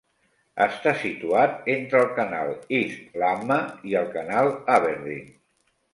Està situat entre el canal East Lamma i el canal Aberdeen.